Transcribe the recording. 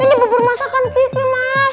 ini bubur masakan kiki mas